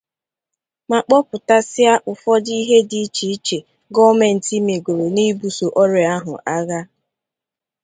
ma kpọpụtasịa ụfọdụ ihe dị iche iche gọọmenti megoro n'ibuso ọrịa ahụ agha.